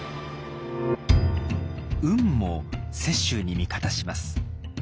運も雪舟に味方します。